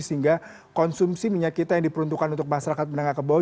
sehingga konsumsi minyak kita yang diperuntukkan untuk masyarakat menengah ke bawah